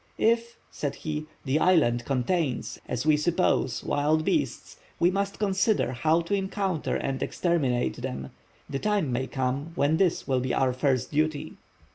"If," said he, "the island contains, as we suppose, wild beasts, we must consider how to encounter and exterminate them. The time may come when this will be our first duty."